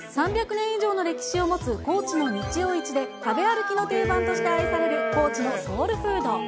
３００年以上の歴史を持つ高知の日曜市で、食べ歩きの定番として、愛される高知のソウルフード。